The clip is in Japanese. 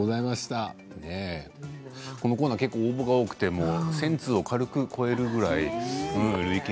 このコーナー結構、応募が多くて１０００通、軽く超えるぐらい。